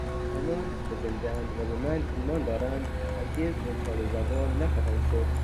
آنان که زندهاند و به من ایمان دارند هرگز دچار زوال نخواهند شد.